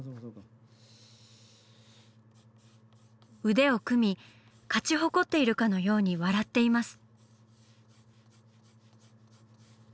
腕を組み勝ち誇っているかのように笑っています。